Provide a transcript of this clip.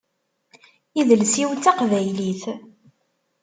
Idles-iw d taqbaylit.